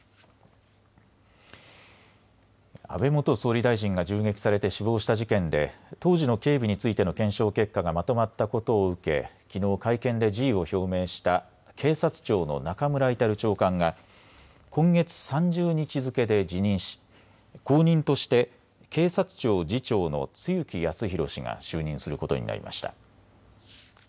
安倍元総理大臣が銃撃されて死亡した事件で当時の警備についての検証結果がまとまったことを受け、きのう会見で辞意を表明した警察庁の中村格長官が今月３０日付けで辞任し、後任として警察庁次長の露木康浩氏が就任することになりました。